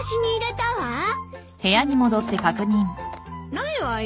ないわよ。